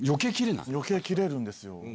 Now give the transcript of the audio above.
余計キレるんですよ。